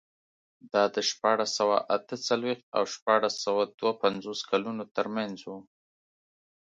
دا د شپاړس سوه اته څلوېښت او شپاړس سوه دوه پنځوس کلونو ترمنځ و.